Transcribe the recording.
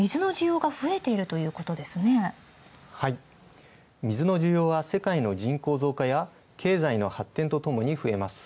はい、水の需要は世界の人口増加や経済の発展ともに増えます。